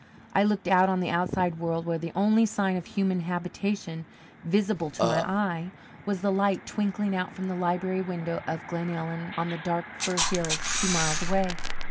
I looked out on the outside world where the only sign of human habitation visible to my eyes was the light twinkling out from the library window of Glenellyn on the dark fir hill two miles away.